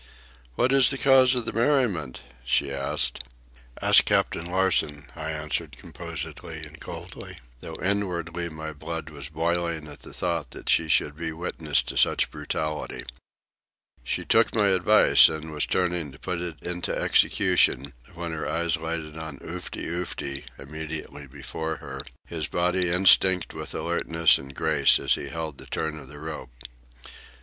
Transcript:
"What is the cause of the merriment?" she asked. "Ask Captain Larsen," I answered composedly and coldly, though inwardly my blood was boiling at the thought that she should be witness to such brutality. She took my advice and was turning to put it into execution, when her eyes lighted on Oofty Oofty, immediately before her, his body instinct with alertness and grace as he held the turn of the rope.